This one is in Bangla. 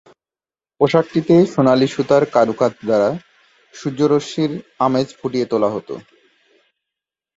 পোশাকটিতে সোনালি সুতার কারুকাজ দ্বারা সূর্যরশ্মির আমেজ ফুটিয়ে তোলা হতো।